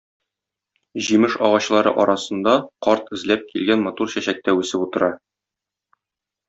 Җимеш агачлары арасында карт эзләп килгән матур чәчәк тә үсеп утыра.